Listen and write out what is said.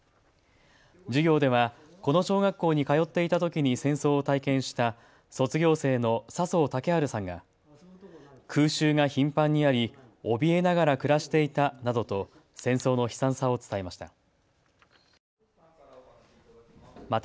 授業では、この小学校に通っていたときに戦争を体験した卒業生の笹生竹治さんが空襲が頻繁にあり、おびえながら暮らしていたなどと戦争の悲惨さを伝えました。